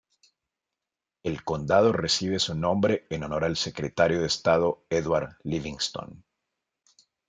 El condado recibe su nombre en honor al Secretario de Estado Edward Livingston.